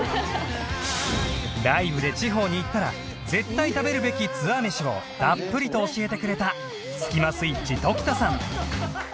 ライブで地方に行ったら絶対食べるべきツアー飯をたっぷりと教えてくれたスキマスイッチ常田さん